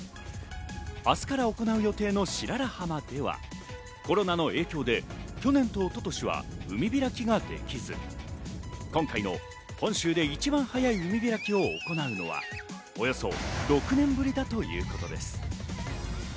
明日から行う予定の白良浜では、コロナの影響で去年と一昨年は海開きができず、今回、本州で一番早い海開きを行うのはおよそ６年ぶりだということです。